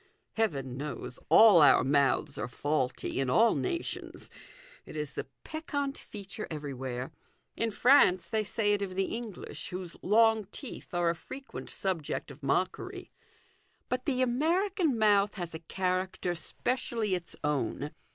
Heaven knows all our mouths are faulty in all nations it is the peccant feature everywhere. In France they say it of the English, whose long teeth are a frequent subject of mockery : but the American mouth has a character specially its own.